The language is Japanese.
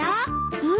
うん？